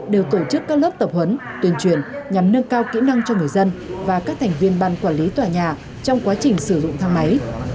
đều tổ chức các lớp tập huấn tuyên truyền nhằm nâng cao kỹ năng cho người dân và các thành viên ban quản lý tòa nhà trong quá trình sử dụng thang máy